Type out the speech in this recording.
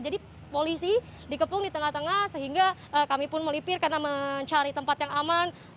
jadi polisi dikepung di tengah tengah sehingga kami pun melipir karena mencari tempat yang aman